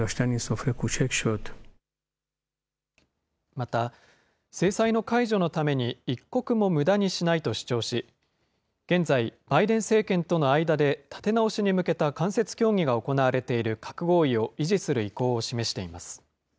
また、制裁の解除のために一刻もむだにしないと主張し、現在、ばいでんせいけんとの間に立て直しに向けた間接協議が行われている核合意を維持する意向を示しています。